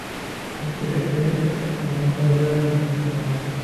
কিন্তু এতে কোন ফলোদয় হল না।